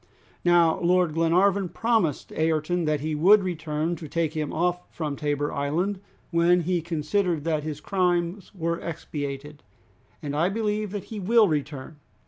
Now, Lord Glenarvan promised Ayrton that he would return to take him off from Tabor Island when he considered that his crimes were expiated, and I believe that he will return."